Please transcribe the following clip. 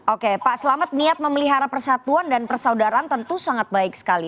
oke pak selamat niat memelihara persatuan dan persaudaraan tentu sangat baik sekali